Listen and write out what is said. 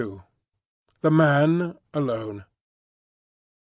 THE MAN ALONE.